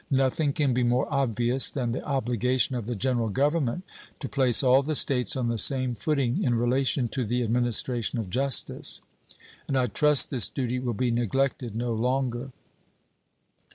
Nothing can be more obvious than the obligation of the General Government to place all the States on the same footing in relation to the administration of justice, and I trust this duty will be neglected no longer.